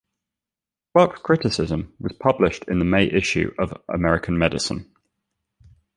Clarke's criticism was published in the May issue of "American Medicine".